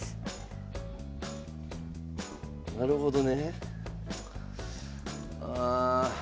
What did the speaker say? なるほど。